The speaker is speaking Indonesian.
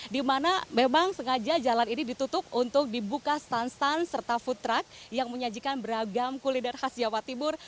dimana memang sengaja jalan ini ditutup untuk dibuka stand stand serta food truck yang menyajikan beragam kuliner khas jawa timur